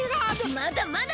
まだまだ！